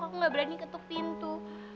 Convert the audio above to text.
aku nggak berani ketuk pintu